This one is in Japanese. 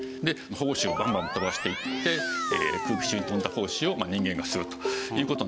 胞子をバンバン飛ばしていって空気中に飛んだ胞子を人間が吸うという事になるんですけども。